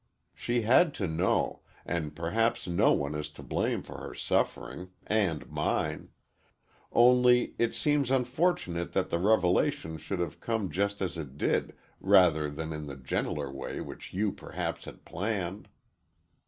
She had to know, and perhaps no one is to blame for her suffering and mine; only it seems unfortunate that the revelation should have come just as it did rather than in the gentler way which you perhaps had planned."